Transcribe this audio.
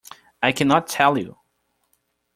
I cannot tell you.